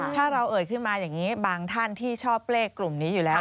ถ้าเราเอ่ยขึ้นมาอย่างนี้บางท่านที่ชอบเลขกลุ่มนี้อยู่แล้ว